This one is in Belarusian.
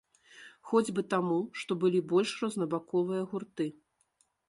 Хоць бы таму, што былі больш рознабаковыя гурты.